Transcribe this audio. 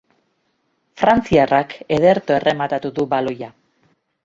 Frantziarrak ederto errematatu du baloia.